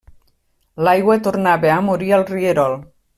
L'aigua tornava a morir al rierol.